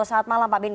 selamat malam pak beni